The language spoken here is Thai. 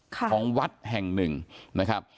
ของวัดแห่งหนึ่งนะครับ